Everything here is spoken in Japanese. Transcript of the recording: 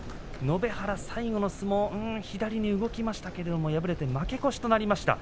延原、最後、相撲左に動きましたが、敗れて負け越しとなりました。